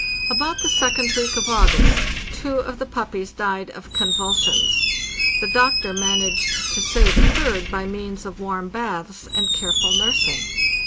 About the second week of August two of the puppies died of convulsions. The doctor managed to save a third by means of warm baths and careful nursing.